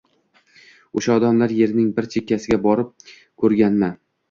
O‘sha odamlar yerining bir chekkasiga borib ko‘rganmi?